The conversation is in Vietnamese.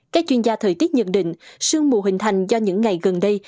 các chuyên gia thời tiết nhận định sương mù hình thành do những ngày gần đây